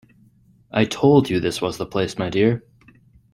I told you this was the place, my dear.